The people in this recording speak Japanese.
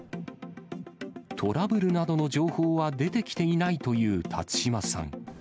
トラブルなどの情報は出てきていないという辰島さん。